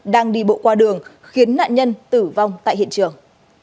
đang đi bộ qua đường khiến nạn nhân tử vong tại hiện trường